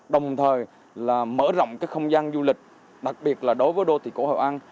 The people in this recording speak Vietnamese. đồng thời mở rộng không gian du lịch đặc biệt là đối với đô thị cổ hội an